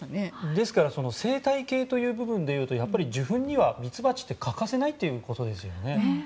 ですから生態系という部分だと受粉にはミツバチが欠かせないということですよね。